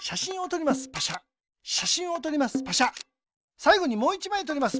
さいごにもう１まいとります。